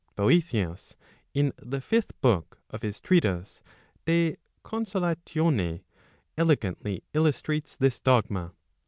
Boethius in the 5th book of his treatise De Consolatione, elegantly illustrates this dogma.